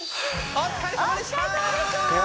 お疲れさまでした！